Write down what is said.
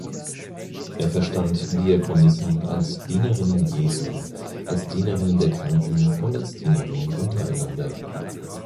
Er verstand Diakonissen als Dienerinnen Jesu, als Dienerinnen der Kranken und als Dienerinnen untereinander.